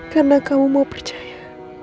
karena kamu mau percaya